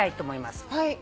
はい。